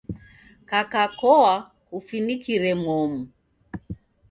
Kaka koa kufinikire momu.